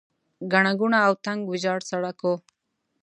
ګڼه ګوڼه او تنګ ویجاړ سړک و.